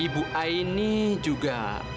ibu aini juga